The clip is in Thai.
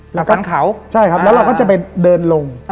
ฟันเขาใช่ครับแล้วเราก็จะไปเดินลง